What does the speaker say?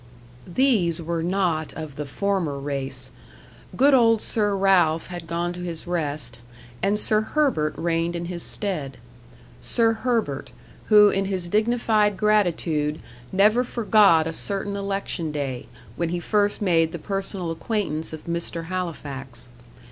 These were not of the former race. Good old Sir Ralph had gone to his rest, and Sir Herbert reigned in his stead; Sir Herbert, who in his dignified gratitude never forgot a certain election day, when he first made the personal acquaintance of Mr. Halifax.